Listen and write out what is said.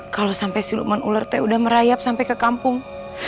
kalo sampe siluman ular t udah merayap sampe ke kampung